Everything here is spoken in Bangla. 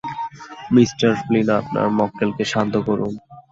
মিস্টার ফ্লিন, আপনার মক্কেলকে শান্ত করুন।